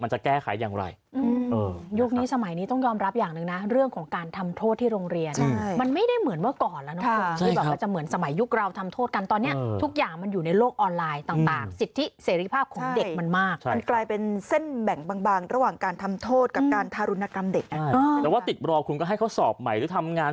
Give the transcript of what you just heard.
หรือทำงานส่งให้มันแก้ไขไปก็ได้เนี่ยเนาะ